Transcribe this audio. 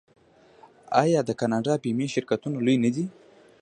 آیا د کاناډا بیمې شرکتونه لوی نه دي؟